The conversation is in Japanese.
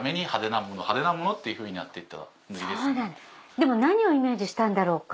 でも何をイメージしたんだろうか？